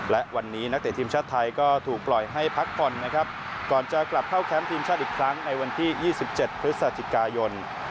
และวันนี้นักเตะทีมชาติไทยก็ถูกปล่อยให้พักผ่อนนะครับก่อนจะกลับเข้าแคมป์ทีมชาติอีกครั้งในวันที่๒๗พฤศจิกายน